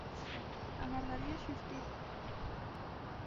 Agardaría xustiza.